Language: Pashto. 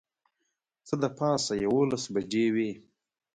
څه د پاسه یوولس بجې وې.